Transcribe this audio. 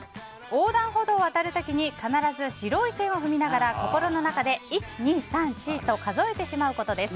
横断歩道を渡る時に必ず白い線を踏みながら心の中で１、２、３、４と数えてしまうことです。